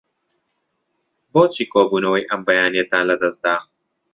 بۆچی کۆبوونەوەی ئەم بەیانییەتان لەدەست دا؟